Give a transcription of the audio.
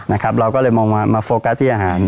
เราก็เลยมองมาโฟกัสที่อาหาร